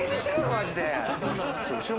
マジで。